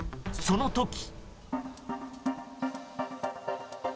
その時。